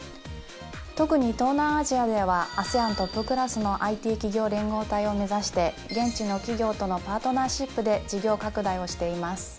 特に東南アジアではＡＳＥＡＮトップクラスのＩＴ企業連合体を目指して現地の企業とのパートナーシップで事業拡大をしています。